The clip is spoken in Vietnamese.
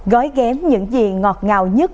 gói ghém những gì ngọt ngào nhất